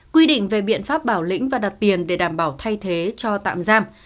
quy định về biện pháp bảo lĩnh và đặt tiền để đảm bảo thay thế cho tạm giam